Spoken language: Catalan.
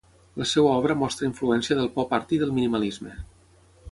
La seva obra mostra influència del Pop art i del minimalisme.